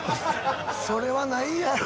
それはないやろ。